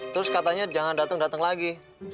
terus katanya jangan dateng dateng lagi